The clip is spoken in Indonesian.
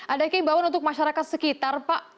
ada kimbawan untuk masyarakat sekitar pak